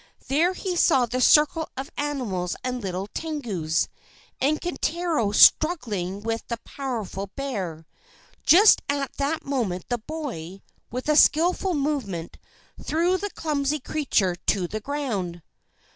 There he saw the circle of animals and little Tengus, and Kintaro struggling with the powerful bear. Just at that moment the boy, with a skilful movement, threw the clumsy creature to the ground.